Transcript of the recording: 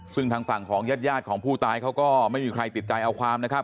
ซึ่งทางฝั่งของญาติของผู้ตายเขาก็ไม่มีใครติดใจเอาความนะครับ